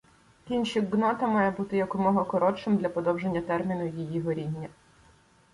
Кінчик ґнота має бути якомога коротшим для подовження терміну її горіння.